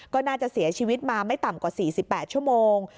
ก็น่าจะเสียชีวิตมาไม่ต่ำกว่า๔๘ชั่วโมง